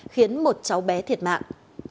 khiến một cháu bé thiệt mạng